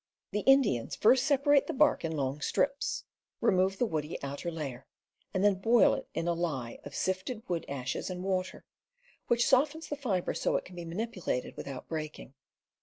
The Indians first separate the bark in long strips, remove the woody outer layer, and then boil it in a lye of sifted wood ashes and water, which softens the fiber so it can be manipulated without breaking.